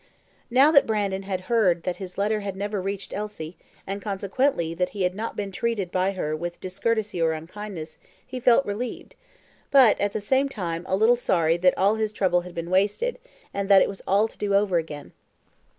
Now that Brandon had heard that his letter had never reached Elsie, and consequently that he had not been treated by her with discourtesy or unkindness, he felt relieved; but, at the same time, a little sorry that all his trouble had been wasted, and that it was all to do over again.